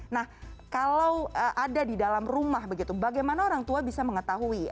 nah kalau ada di dalam rumah begitu bagaimana orang tua bisa mengetahui